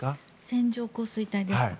線状降水帯ですか。